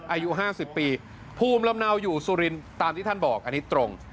อายุ๕๐ปีภูมิลำเนาอยู่สุรินตามที่ท่านบอกอันนี้ตรง